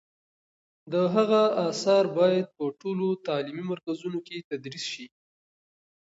د هغه آثار باید په ټولو تعلیمي مرکزونو کې تدریس شي.